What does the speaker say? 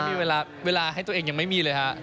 มีเวลาให้ตัวเองยังไม่มีเลยฮะ